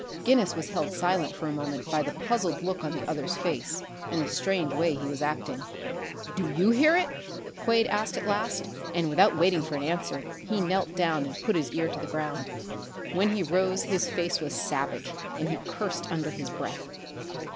Guinness was held silent for a moment by the puzzled look on the other's face and the strange way he was acting. "Do you hear it?" Quade asked at last; and without waiting for an answer, he knelt down and put his ear to the ground. When he rose his face was savage, and he cursed under his breath.